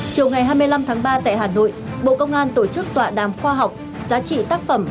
chiều ngày hai mươi năm tháng ba tại hà nội bộ công an tổ chức tọa đàm khoa học giá trị tác phẩm